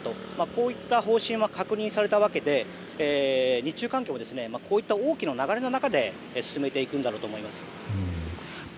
こういった方針は確認されたわけで日中関係は大きな流れの中で進めていくんだろうと思います。